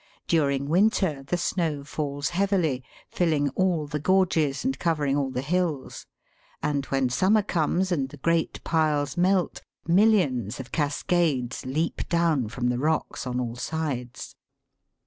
During winter the snow falls heavily, filling all the gorges and covering all the hills ; and when summer comes and the great piles melt, millions of cascades leap down from the rocks on all sides.